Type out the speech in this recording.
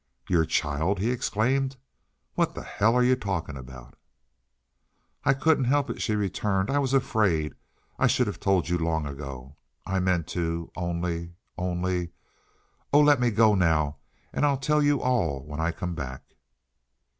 "Your child!" he exclaimed. "What the hell are you talking about?" "I couldn't help it," she returned. "I was afraid—I should have told you long ago. I meant to only—only—Oh, let me go now, and I'll tell you all when I come back!"